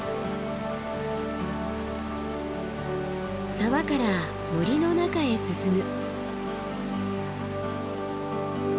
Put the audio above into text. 沢から森の中へ進む。